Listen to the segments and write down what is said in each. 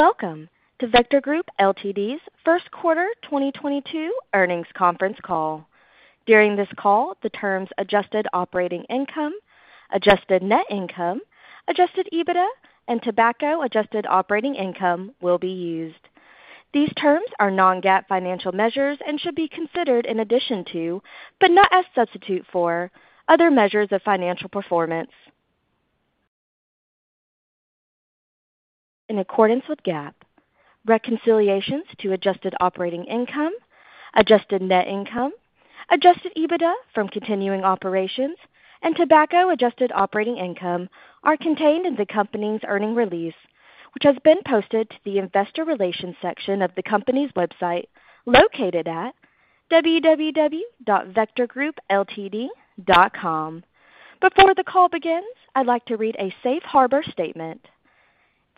Welcome to Vector Group Ltd.'s first quarter 2022 earnings conference call. During this call, the terms adjusted operating income, adjusted net income, adjusted EBITDA, and tobacco adjusted operating income will be used. These terms are non-GAAP financial measures and should be considered in addition to, but not as substitute for, other measures of financial performance. In accordance with GAAP, reconciliations to adjusted operating income, adjusted net income, adjusted EBITDA from continuing operations, and tobacco adjusted operating income are contained in the company's earnings release, which has been posted to the investor relations section of the company's website, located at www.vectorgroupltd.com. Before the call begins, I'd like to read a safe harbor statement.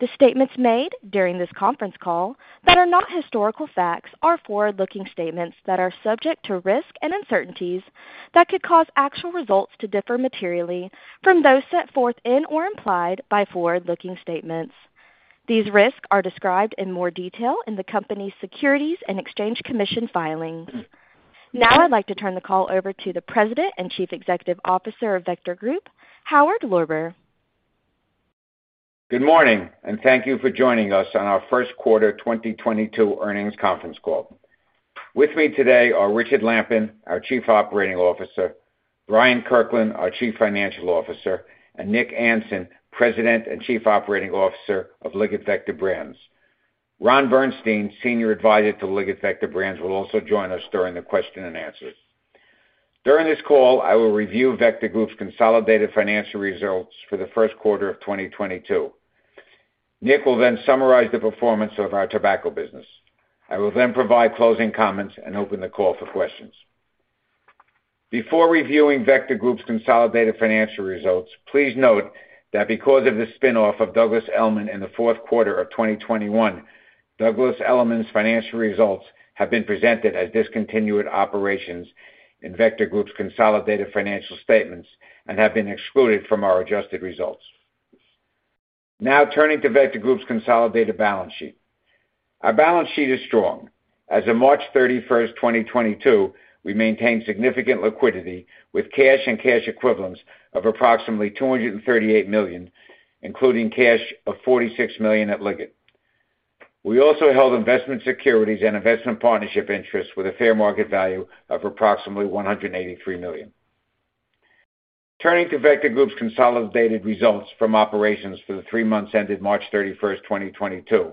The statements made during this conference call that are not historical facts are forward-looking statements that are subject to risk and uncertainties that could cause actual results to differ materially from those set forth in or implied by forward-looking statements. These risks are described in more detail in the company's Securities and Exchange Commission filings. Now I'd like to turn the call over to the President and Chief Executive Officer of Vector Group, Howard Lorber. Good morning, and thank you for joining us on our first quarter 2022 earnings conference call. With me today are Richard Lampen, our Chief Operating Officer; Bryant Kirkland, our Chief Financial Officer; and Nick Anson, President and Chief Operating Officer of Liggett Vector Brands. Ron Bernstein, Senior Advisor to Liggett Vector Brands, will also join us during the question and answers. During this call, I will review Vector Group's consolidated financial results for the first quarter of 2022. Nick will then summarize the performance of our tobacco business. I will then provide closing comments and open the call for questions. Before reviewing Vector Group's consolidated financial results, please note that because of the spin-off of Douglas Elliman in the fourth quarter of 2021, Douglas Elliman's financial results have been presented as discontinued operations in Vector Group's consolidated financial statements and have been excluded from our adjusted results. Now turning to Vector Group's consolidated balance sheet. Our balance sheet is strong. As of March 31st, 2022, we maintained significant liquidity with cash and cash equivalents of approximately $238 million, including cash of $46 million at Liggett. We also held investment securities and investment partnership interests with a fair market value of approximately $183 million. Turning to Vector Group's consolidated results from operations for the three months ended March 31st, 2022.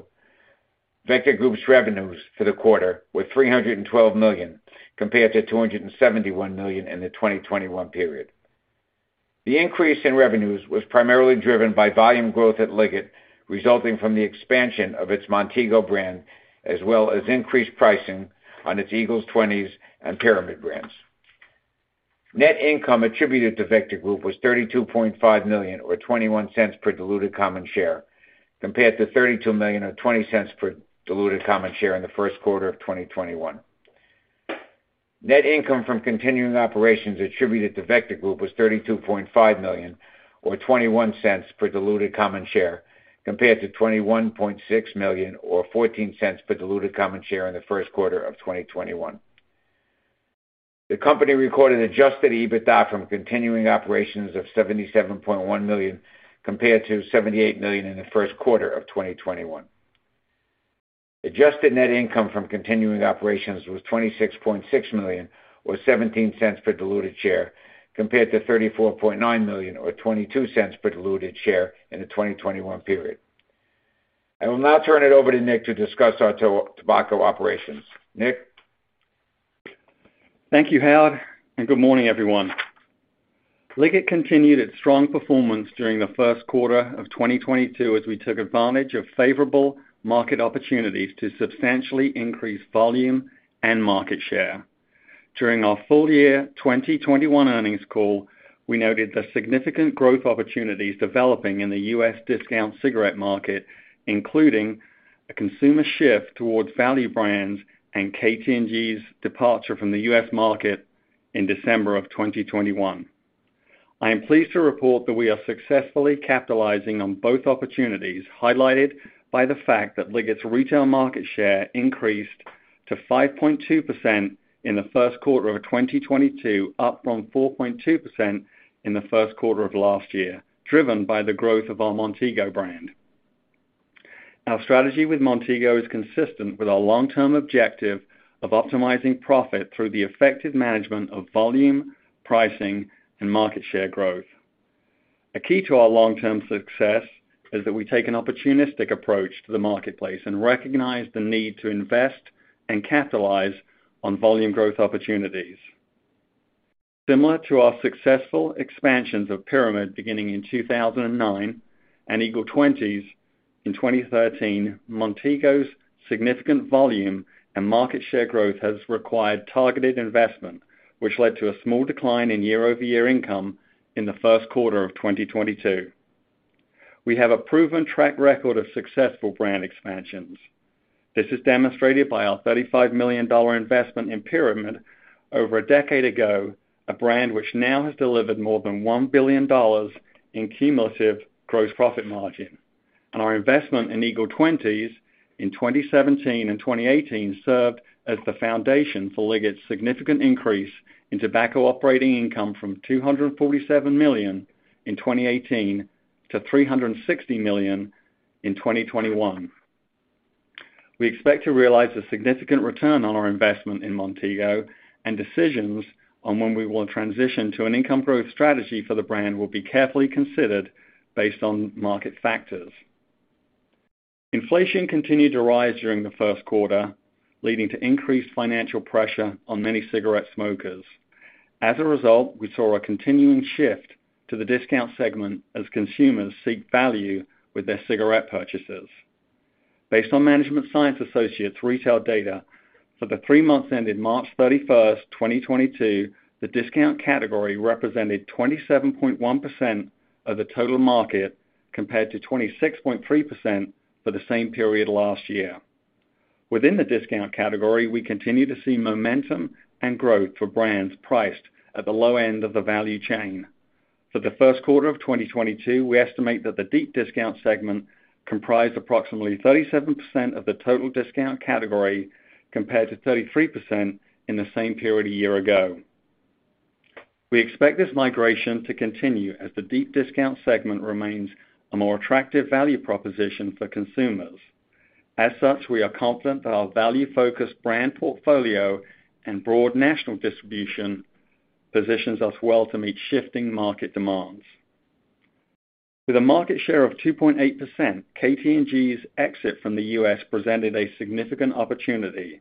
Vector Group's revenues for the quarter were $312 million, compared to $271 million in the 2021 period. The increase in revenues was primarily driven by volume growth at Liggett, resulting from the expansion of its Montego brand, as well as increased pricing on its Eagle 20's and Pyramid brands. Net income attributed to Vector Group was $32.5 million or $0.21 per diluted common share, compared to $32 million or $0.20 per diluted common share in the first quarter of 2021. Net income from continuing operations attributed to Vector Group was $32.5 million or $0.21 per diluted common share, compared to $21.6 million or $0.14 per diluted common share in the first quarter of 2021. The company recorded adjusted EBITDA from continuing operations of $77.1 million, compared to $78 million in the first quarter of 2021. Adjusted net income from continuing operations was $26.6 million or $0.17 per diluted share, compared to $34.9 million or $0.22 per diluted share in the 2021 period. I will now turn it over to Nick to discuss our tobacco operations. Nick? Thank you, Howard, and good morning, everyone. Liggett continued its strong performance during the first quarter of 2022 as we took advantage of favorable market opportunities to substantially increase volume and market share. During our full year 2021 earnings call, we noted the significant growth opportunities developing in the US discount cigarette market, including a consumer shift towards value brands and KT&G's departure from the US market in December of 2021. I am pleased to report that we are successfully capitalizing on both opportunities, highlighted by the fact that Liggett's retail market share increased to 5.2% in the first quarter of 2022, up from 4.2% in the first quarter of last year, driven by the growth of our Montego brand. Our strategy with Montego is consistent with our long-term objective of optimizing profit through the effective management of volume, pricing, and market share growth. A key to our long-term success is that we take an opportunistic approach to the marketplace and recognize the need to invest and capitalize on volume growth opportunities. Similar to our successful expansions of Pyramid beginning in 2009 and Eagle 20's in 2013, Montego's significant volume and market share growth has required targeted investment, which led to a small decline in year-over-year income in the first quarter of 2022. We have a proven track record of successful brand expansions. This is demonstrated by our $35 million investment in Pyramid over a decade ago, a brand which now has delivered more than $1 billion in cumulative gross profit margin. Our investment in Eagle 20's in 2017 and 2018 served as the foundation for Liggett's significant increase in tobacco operating income from $247 million in 2018 to $360 million in 2021. We expect to realize a significant return on our investment in Montego, and decisions on when we will transition to an income growth strategy for the brand will be carefully considered based on market factors. Inflation continued to rise during the first quarter, leading to increased financial pressure on many cigarette smokers. As a result, we saw a continuing shift to the discount segment as consumers seek value with their cigarette purchases. Based on Management Science Associates retail data, for the three months ending March 31, 2022, the discount category represented 27.1% of the total market, compared to 26.3% for the same period last year. Within the discount category, we continue to see momentum and growth for brands priced at the low end of the value chain. For the first quarter of 2022, we estimate that the deep discount segment comprised approximately 37% of the total discount category, compared to 33% in the same period a year ago. We expect this migration to continue as the deep discount segment remains a more attractive value proposition for consumers. As such, we are confident that our value-focused brand portfolio and broad national distribution positions us well to meet shifting market demands. With a market share of 2.8%, KT&G's exit from the U.S. presented a significant opportunity.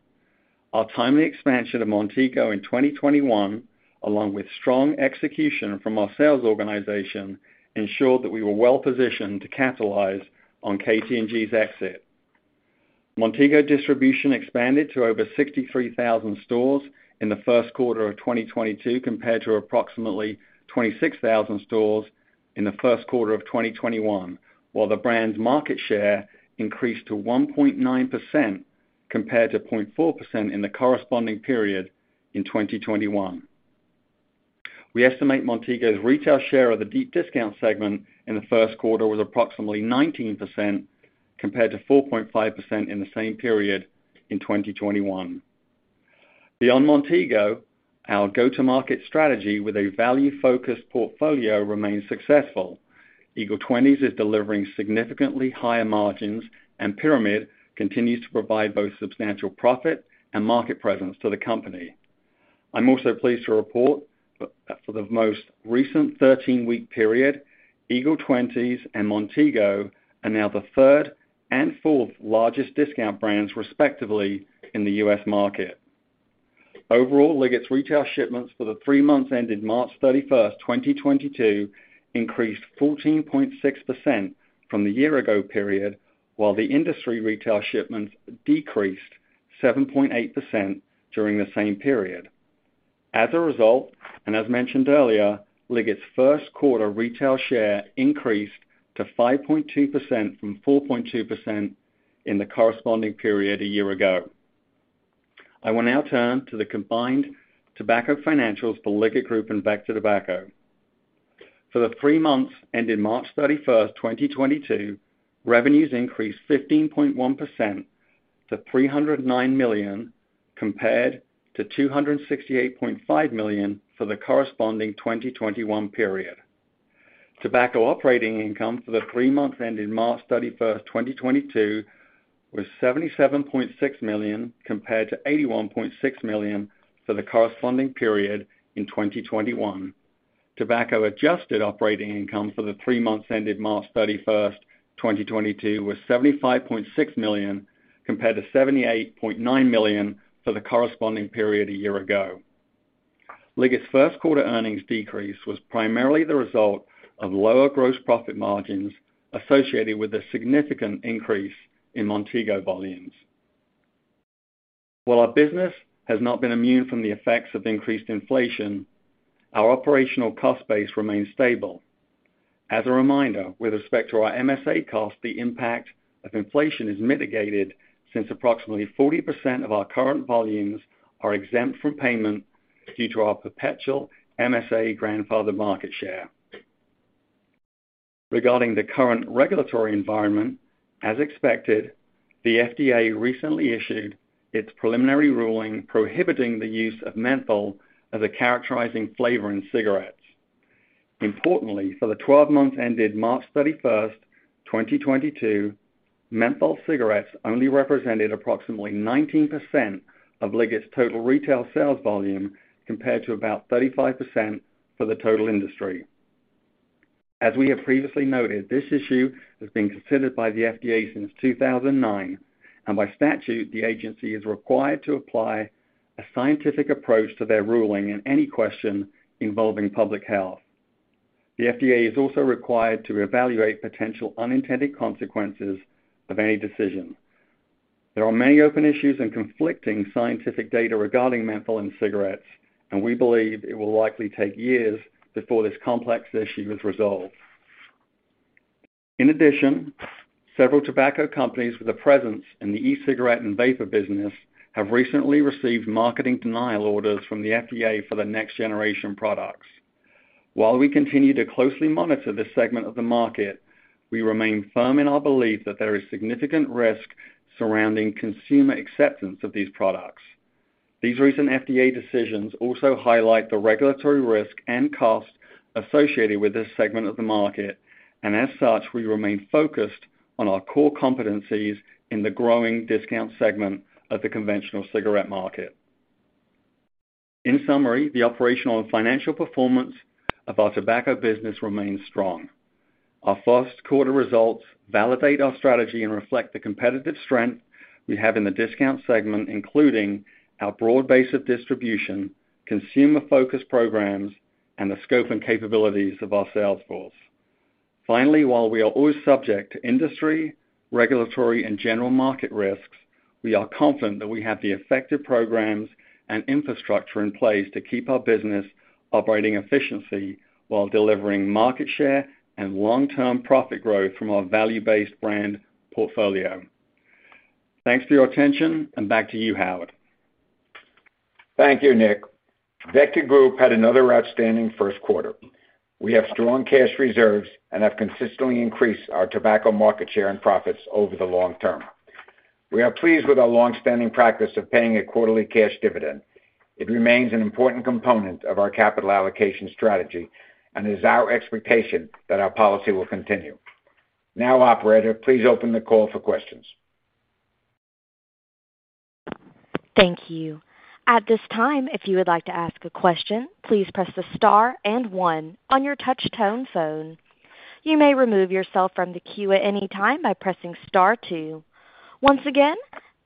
Our timely expansion of Montego in 2021, along with strong execution from our sales organization, ensured that we were well-positioned to capitalize on KT&G's exit. Montego distribution expanded to over 63,000 stores in the first quarter of 2022, compared to approximately 26,000 stores in the first quarter of 2021, while the brand's market share increased to 1.9% compared to 0.4% in the corresponding period in 2021. We estimate Montego's retail share of the deep discount segment in the first quarter was approximately 19%, compared to 4.5% in the same period in 2021. Beyond Montego, our go-to-market strategy with a value-focused portfolio remains successful. Eagle 20's is delivering significantly higher margins, and Pyramid continues to provide both substantial profit and market presence to the company. I'm also pleased to report that for the most recent 13-week period, Eagle 20's and Montego are now the third and fourth largest discount brands, respectively, in the U.S. market. Overall, Liggett's retail shipments for the three months ending March 31, 2022 increased 14.6% from the year ago period, while the industry retail shipments decreased 7.8% during the same period. As a result, and as mentioned earlier, Liggett's first quarter retail share increased to 5.2% from 4.2% in the corresponding period a year ago. I will now turn to the combined tobacco financials for Liggett Group and Vector Tobacco. For the three months ending March 31, 2022, revenues increased 15.1% to $309 million, compared to $268.5 million for the corresponding 2021 period. Tobacco operating income for the three months ending March 31, 2022 was $77.6 million, compared to $81.6 million for the corresponding period in 2021. Tobacco adjusted operating income for the three months ending March 31, 2022 was $75.6 million, compared to $78.9 million for the corresponding period a year ago. Liggett's first quarter earnings decrease was primarily the result of lower gross profit margins associated with a significant increase in Montego volumes. While our business has not been immune from the effects of increased inflation, our operational cost base remains stable. As a reminder, with respect to our MSA cost, the impact of inflation is mitigated since approximately 40% of our current volumes are exempt from payment due to our perpetual MSA grandfathered market share. Regarding the current regulatory environment, as expected, the FDA recently issued its preliminary ruling prohibiting the use of menthol as a characterizing flavor in cigarettes. Importantly, for the 12 months ending March 31, 2022, menthol cigarettes only represented approximately 19% of Liggett's total retail sales volume compared to about 35% for the total industry. As we have previously noted, this issue has been considered by the FDA since 2009, and by statute, the agency is required to apply a scientific approach to their ruling in any question involving public health. The FDA is also required to evaluate potential unintended consequences of any decision. There are many open issues and conflicting scientific data regarding menthol in cigarettes, and we believe it will likely take years before this complex issue is resolved. In addition, several tobacco companies with a presence in the e-cigarette and vapor business have recently received marketing denial orders from the FDA for the next generation products. While we continue to closely monitor this segment of the market, we remain firm in our belief that there is significant risk surrounding consumer acceptance of these products. These recent FDA decisions also highlight the regulatory risk and cost associated with this segment of the market. As such, we remain focused on our core competencies in the growing discount segment of the conventional cigarette market. In summary, the operational and financial performance of our tobacco business remains strong. Our first quarter results validate our strategy and reflect the competitive strength we have in the discount segment, including our broad base of distribution, consumer focus programs, and the scope and capabilities of our sales force. Finally, while we are always subject to industry, regulatory, and general market risks, we are confident that we have the effective programs and infrastructure in place to keep our business operating efficiency while delivering market share and long-term profit growth from our value-based brand portfolio. Thanks for your attention, and back to you, Howard. Thank you, Nick. Vector Group had another outstanding first quarter. We have strong cash reserves and have consistently increased our tobacco market share and profits over the long term. We are pleased with our long-standing practice of paying a quarterly cash dividend. It remains an important component of our capital allocation strategy, and it is our expectation that our policy will continue. Now, operator, please open the call for questions. Thank you. At this time, if you would like to ask a question, please press the star and one on your touch tone phone. You may remove yourself from the queue at any time by pressing star two. Once again,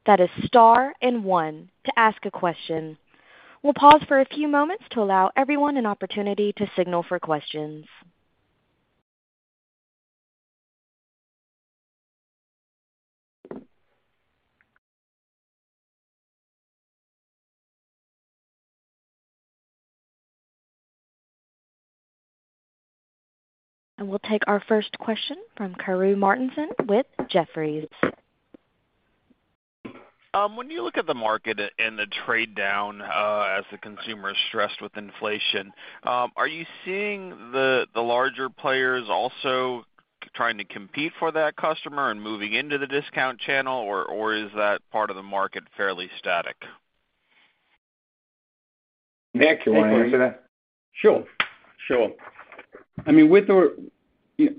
that is star and one to ask a question. We'll pause for a few moments to allow everyone an opportunity to signal for questions. We'll take our first question from Karru Martinson with Jefferies. When you look at the market and the trade down, as the consumer is stressed with inflation, are you seeing the larger players also trying to compete for that customer and moving into the discount channel or is that part of the market fairly static? Nick, you want to answer that? Sure. Sure. I mean,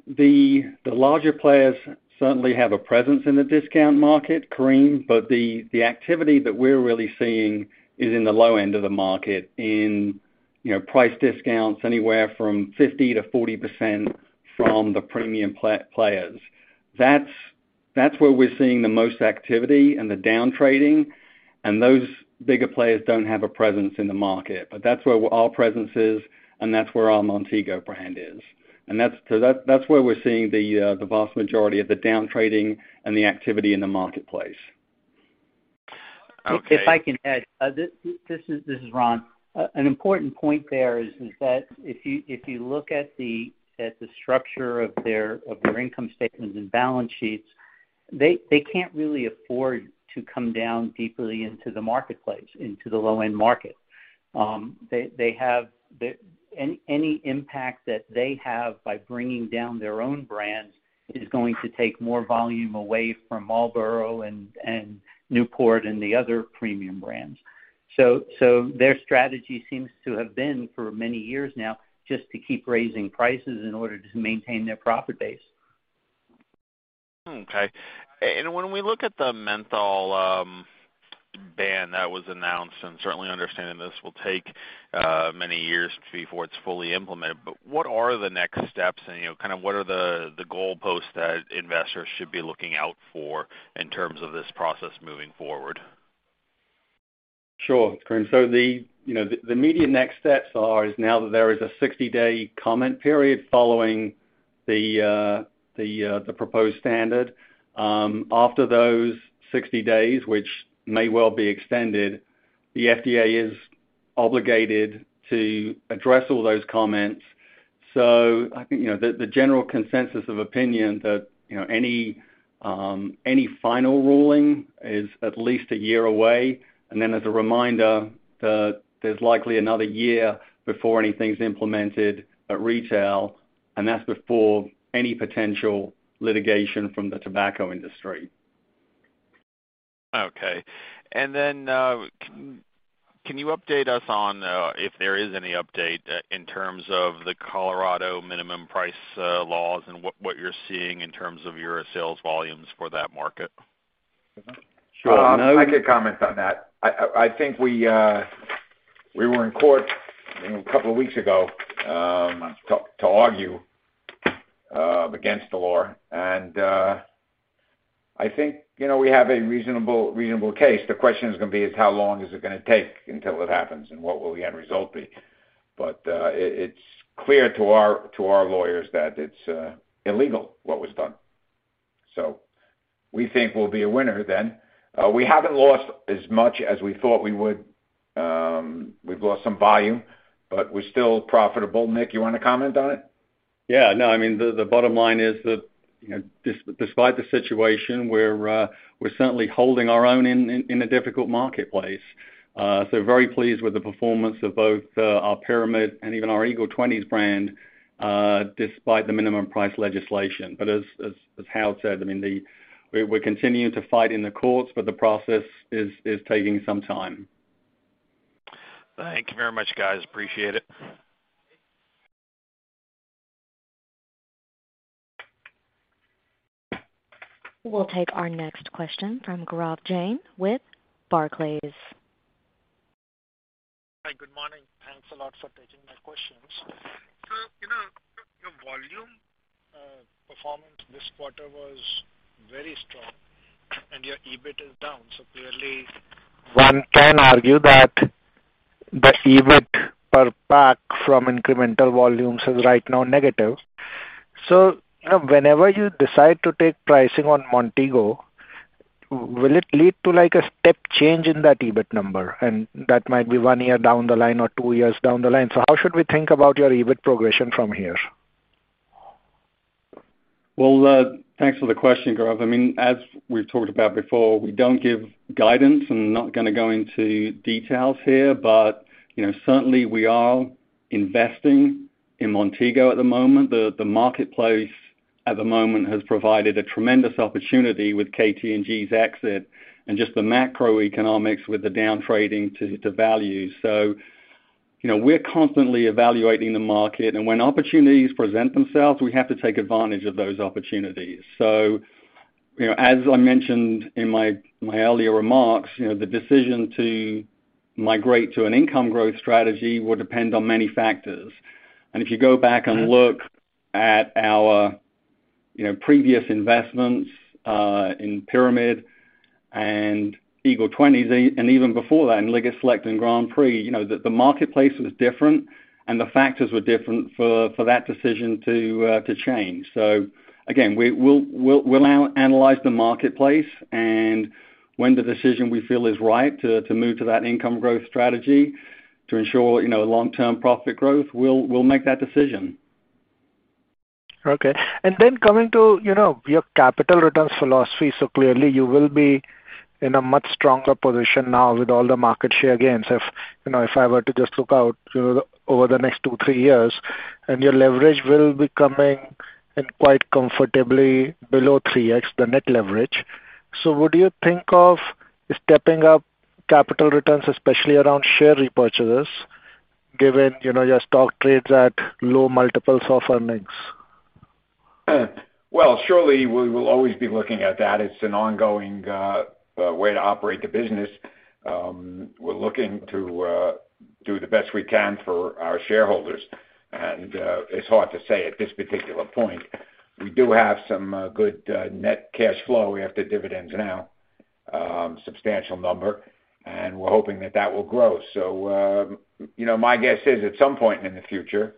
the larger players certainly have a presence in the discount market, Kareem, but the activity that we're really seeing is in the low end of the market in, you know, price discounts anywhere from 50%-40% from the premium players. That's where we're seeing the most activity and the down trading, and those bigger players don't have a presence in the market. But that's where our presence is, and that's where our Montego brand is. That's where we're seeing the vast majority of the down trading and the activity in the marketplace. Okay. If I can add, this is Ron. An important point there is that if you look at the structure of their income statements and balance sheets, they can't really afford to come down deeply into the marketplace, into the low end market. Any impact that they have by bringing down their own brands is going to take more volume away from Marlboro and Newport and the other premium brands. Their strategy seems to have been for many years now just to keep raising prices in order to maintain their profit base. Okay. When we look at the menthol ban that was announced, and certainly understanding this will take many years before it's fully implemented, but what are the next steps and, you know, kind of what are the goalposts that investors should be looking out for in terms of this process moving forward? Sure, Kareem. The immediate next steps are now that there is a 60-day comment period following the proposed standard. After those 60 days, which may well be extended, the FDA is obligated to address all those comments. I think the general consensus of opinion is that any final ruling is at least a year away. Then as a reminder, there's likely another year before anything's implemented at retail, and that's before any potential litigation from the tobacco industry. Okay. Can you update us on if there is any update in terms of the Colorado minimum price laws and what you're seeing in terms of your sales volumes for that market? Sure. I could comment on that. I think we were in court, you know, a couple of weeks ago, to argue against the law. I think, you know, we have a reasonable case. The question is gonna be how long is it gonna take until it happens and what will the end result be? It's clear to our lawyers that it's illegal, what was done. So we think we'll be a winner then. We haven't lost as much as we thought we would. We've lost some volume, but we're still profitable. Nick, you wanna comment on it? Yeah. No, I mean, the bottom line is that, you know, despite the situation, we're certainly holding our own in a difficult marketplace. Very pleased with the performance of both our Pyramid and even our Eagle 20's brand, despite the minimum price legislation. As Hal said, I mean, we're continuing to fight in the courts, but the process is taking some time. Thank you very much, guys. Appreciate it. We'll take our next question from Gaurav Jain with Barclays. Hi, good morning. Thanks a lot for taking my questions. You know, your volume performance this quarter was very strong and your EBIT is down. Clearly one can argue that the EBIT per pack from incremental volumes is right now negative. You know, whenever you decide to take pricing on Montego, will it lead to like a step change in that EBIT number? That might be one year down the line or two years down the line. How should we think about your EBIT progression from here? Well, thanks for the question, Gaurav. I mean, as we've talked about before, we don't give guidance and not gonna go into details here. You know, certainly we are investing in Montego at the moment. The marketplace at the moment has provided a tremendous opportunity with KT&G's exit and just the macroeconomics with the down trading to value. You know, we're constantly evaluating the market, and when opportunities present themselves, we have to take advantage of those opportunities. You know, as I mentioned in my earlier remarks, the decision to migrate to an income growth strategy will depend on many factors. If you go back and look at our, you know, previous investments in Pyramid and Eagle 20's, and even before that in Liggett Select and Grand Prix, you know, the marketplace was different, and the factors were different for that decision to change. Again, we'll analyze the marketplace, and when the decision we feel is right to move to that income growth strategy to ensure, you know, long-term profit growth, we'll make that decision. Okay. Coming to, you know, your capital returns philosophy. Clearly you will be in a much stronger position now with all the market share gains if, you know, if I were to just look out, you know, over the next two, three years, and your leverage will be coming in quite comfortably below 3x, the net leverage. Would you think of stepping up capital returns, especially around share repurchases, given, you know, your stock trades at low multiples of earnings? Well, surely we will always be looking at that. It's an ongoing way to operate the business. We're looking to do the best we can for our shareholders. It's hard to say at this particular point. We do have some good net cash flow. We have the dividends now, substantial number, and we're hoping that that will grow. You know, my guess is at some point in the future,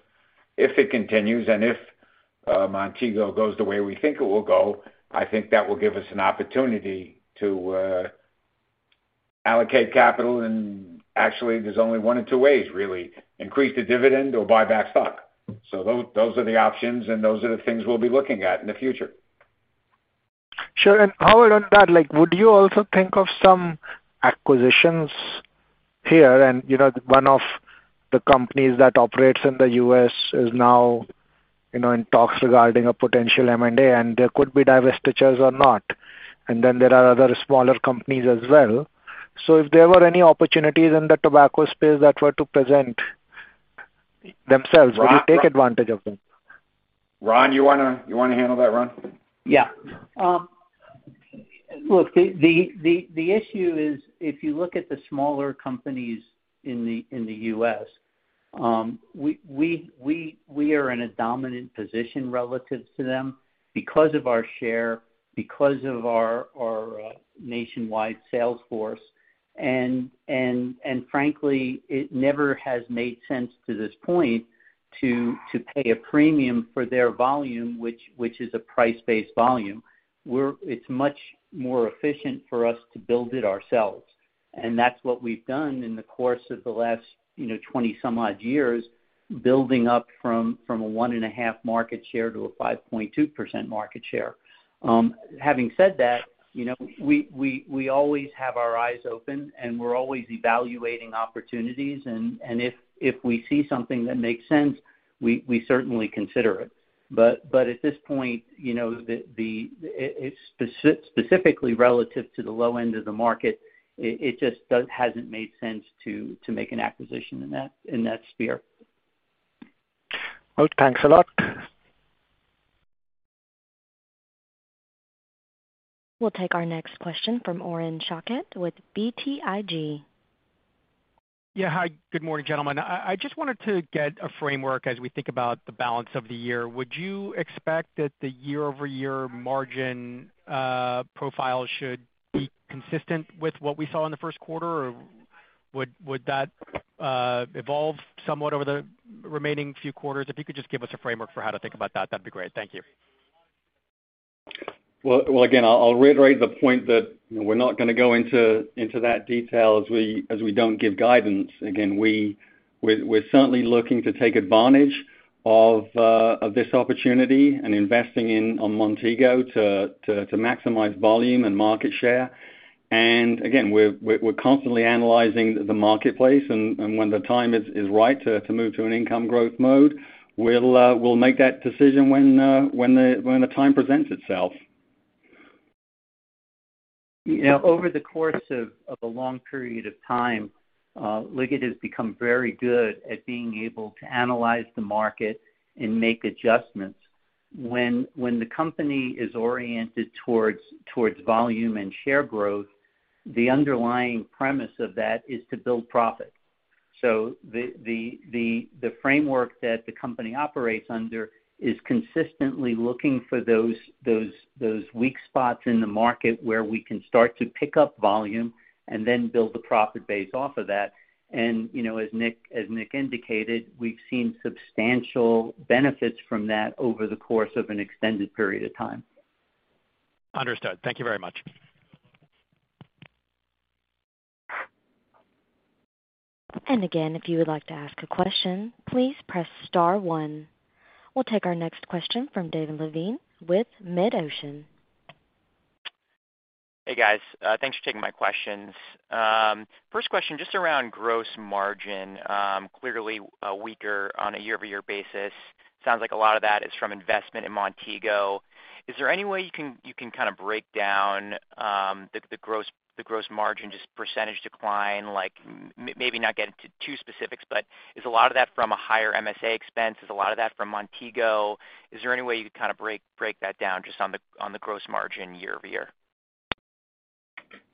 if it continues and if Montego goes the way we think it will go, I think that will give us an opportunity to allocate capital. Actually, there's only one of two ways, really, increase the dividend or buy back stock. Those are the options, and those are the things we'll be looking at in the future. Sure. Following on that, like would you also think of some acquisitions here? You know, one of the companies that operates in the U.S. is now, you know, in talks regarding a potential M&A, and there could be divestitures or not, and then there are other smaller companies as well. If there were any opportunities in the tobacco space that were to present themselves, would you take advantage of them? Ron, you wanna handle that, Ron? Yeah. Look, the issue is if you look at the smaller companies in the U.S., we are in a dominant position relative to them because of our share, because of our nationwide sales force. Frankly, it never has made sense to this point to pay a premium for their volume, which is a price-based volume. It's much more efficient for us to build it ourselves, and that's what we've done in the course of the last, you know, 20-some-odd years, building up from a 1.5 market share to a 5.2% market share. Having said that, you know, we always have our eyes open, and we're always evaluating opportunities. If we see something that makes sense, we certainly consider it. At this point, you know, specifically relative to the low end of the market, it just hasn't made sense to make an acquisition in that sphere. Well, thanks a lot. We'll take our next question from Oren Shaked with BTIG. Yeah. Hi. Good morning, gentlemen. I just wanted to get a framework as we think about the balance of the year. Would you expect that the year-over-year margin profile should be consistent with what we saw in the first quarter? Or Would that evolve somewhat over the remaining few quarters? If you could just give us a framework for how to think about that'd be great. Thank you. Well, again, I'll reiterate the point that we're not gonna go into that detail as we don't give guidance. Again, we're certainly looking to take advantage of this opportunity and investing in Montego to maximize volume and market share. Again, we're constantly analyzing the marketplace. When the time is right to move to an income growth mode, we'll make that decision when the time presents itself. You know, over the course of a long period of time, Liggett has become very good at being able to analyze the market and make adjustments. When the company is oriented towards volume and share growth, the underlying premise of that is to build profit. So the framework that the company operates under is consistently looking for those weak spots in the market where we can start to pick up volume and then build the profit base off of that. You know, as Nick indicated, we've seen substantial benefits from that over the course of an extended period of time. Understood. Thank you very much. Again, if you would like to ask a question, please press star one. We'll take our next question from David Levine with MidOcean. Hey, guys. Thanks for taking my questions. First question, just around gross margin. Clearly, weaker on a year-over-year basis. Sounds like a lot of that is from investment in Montego. Is there any way you can kinda break down the gross margin, just percentage decline? Like, maybe not get into too specifics, but is a lot of that from a higher MSA expense? Is a lot of that from Montego? Is there any way you can kinda break that down just on the gross margin year-over-year?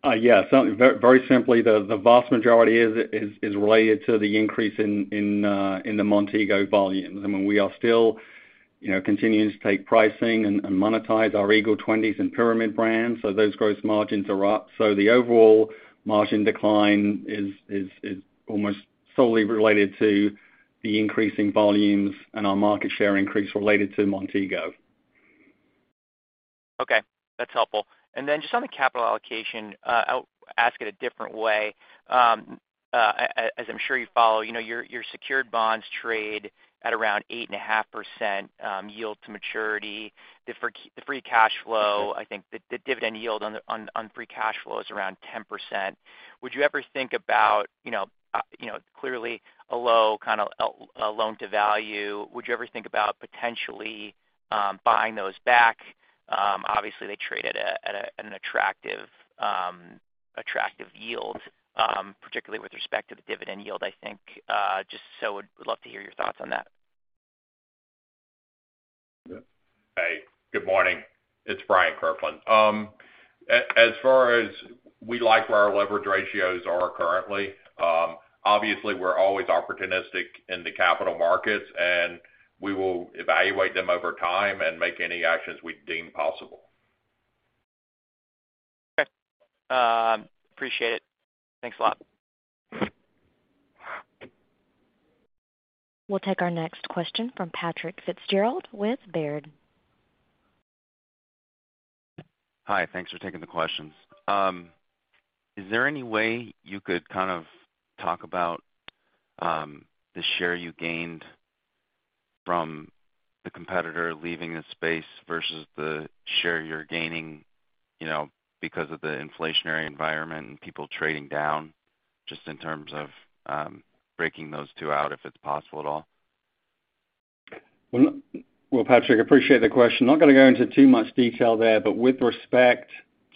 Very, very simply, the vast majority is related to the increase in the Montego volumes. I mean, we are still, you know, continuing to take pricing and monetize our Eagle 20's and Pyramid brands, so those gross margins are up. The overall margin decline is almost solely related to the increasing volumes and our market share increase related to Montego. Okay, that's helpful. Just on the capital allocation, I'll ask it a different way. As I'm sure you follow, you know, your secured bonds trade at around 8.5% yield to maturity. The free cash flow, I think the dividend yield on the free cash flow is around 10%. Would you ever think about, you know, clearly a low kinda loan to value? Would you ever think about potentially buying those back? Obviously, they trade at an attractive yield, particularly with respect to the dividend yield, I think. Just so would love to hear your thoughts on that. Yeah. Hey, good morning. It's Bryant Kirkland. As far as we like where our leverage ratios are currently, obviously we're always opportunistic in the capital markets, and we will evaluate them over time and make any actions we deem possible. Okay. Appreciate it. Thanks a lot. We'll take our next question from Patrick Fitzgerald with Baird. Hi. Thanks for taking the questions. Is there any way you could kind of talk about the share you gained from the competitor leaving the space versus the share you're gaining, you know, because of the inflationary environment and people trading down, just in terms of breaking those two out, if it's possible at all? Well, well, Patrick, appreciate the question. Not gonna go into too much detail there, but with respect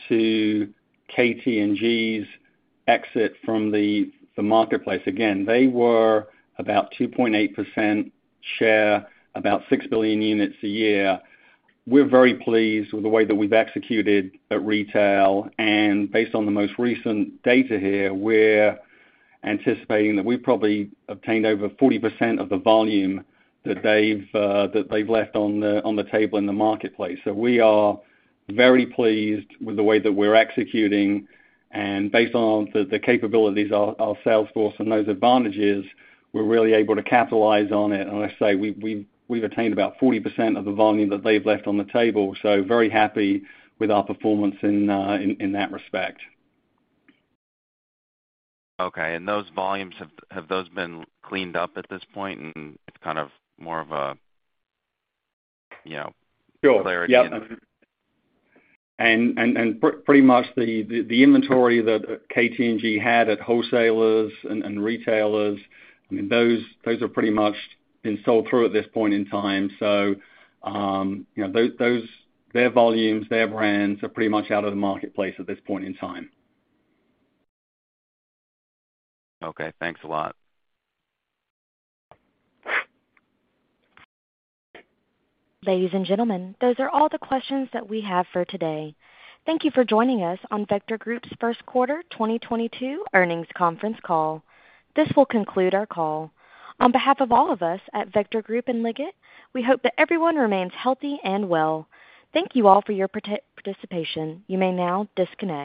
to KT&G's exit from the marketplace, again, they were about 2.8% share, about 6 billion units a year. We're very pleased with the way that we've executed at retail, and based on the most recent data here, we're anticipating that we probably obtained over 40% of the volume that they've left on the table in the marketplace. We are very pleased with the way that we're executing. Based on the capabilities our sales force and those advantages, we're really able to capitalize on it. I say we've attained about 40% of the volume that they've left on the table, so very happy with our performance in that respect. Okay. Those volumes, have those been cleaned up at this point and it's kind of more of a, you know- Sure. -clarity? Yeah. Pretty much the inventory that KT&G had at wholesalers and retailers, I mean, those have pretty much been sold through at this point in time. You know, those, their volumes, their brands are pretty much out of the marketplace at this point in time. Okay. Thanksa lot. Ladies and gentlemen, those are all the questions that we have for today. Thank you for joining us on Vector Group's first quarter 2022 earnings conference call. This will co nclude our call. On behalf of all of us at Vector Group and Liggett, we hope that everyone remains healthy and well. Thank you all for your participation. You may now disconnect.